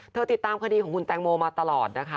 ติดตามคดีของคุณแตงโมมาตลอดนะคะ